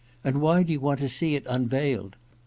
And why do you want to see it unveiled?